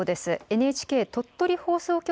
ＮＨＫ鳥取放送局